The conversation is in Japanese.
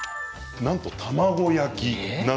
なんと卵焼き。